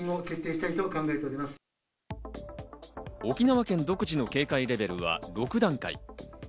沖縄県独自の警戒レベルは６段階。